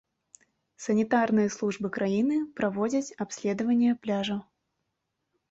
Санітарныя службы краіны праводзяць абследаванне пляжаў.